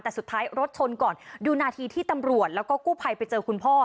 แต่สุดท้ายรถชนก่อนดูนาทีที่ตำรวจแล้วก็กู้ภัยไปเจอคุณพ่อ